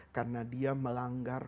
karena dia melanggar